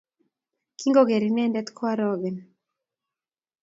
Kingoger inendet koarogen.